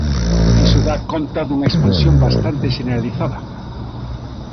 Iso dá conta dunha expansión bastante xeneralizada.